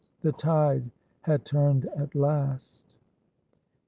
The tide had turned at last.